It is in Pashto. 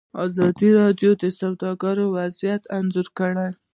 ازادي راډیو د سوداګري وضعیت انځور کړی.